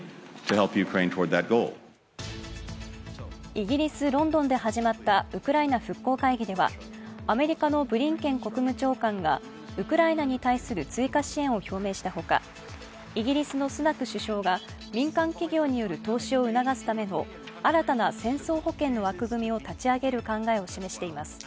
イギリス・ロンドンで始まったウクライナ復興会議ではアメリカのブリンケン国務長官がウクライナに対する追加支援を表明したほか、イギリスのスナク首相が民間企業による投資を促すための新たな戦争保険の枠組みを立ち上げる考えを示しています。